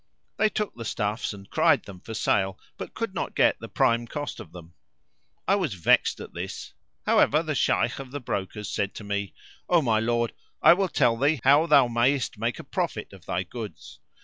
They took the stuffs and cried them for sale, but could not get the prime cost of them. I was vexed at this, however the Shaykh of the brokers said to me, "O my lord, I will tell thee how thou mayest make a profit of thy goods.